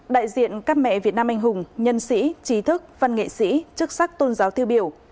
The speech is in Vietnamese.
đại diện các mẹ việt nam anh hùng nhân sĩ trí thức văn nghệ sĩ chức sắc tôn giáo tiêu biểu